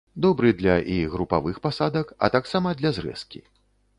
Добры для і групавых пасадак, а таксама для зрэзкі.